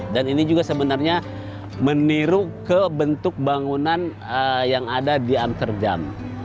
dan ini juga sebenarnya meniru ke bentuk bangunan yang ada di amsterdam